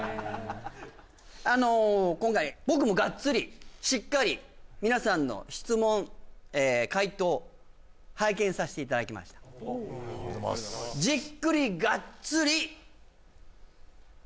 あの今回僕もがっつりしっかり皆さんの質問回答拝見させていただきましたえっ？